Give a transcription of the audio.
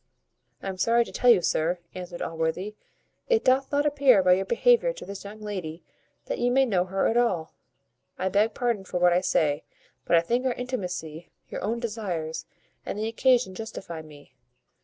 "I am sorry to tell you, sir," answered Allworthy, "it doth not appear, by your behaviour to this young lady, that you know her at all. I ask pardon for what I say: but I think our intimacy, your own desires, and the occasion justify me.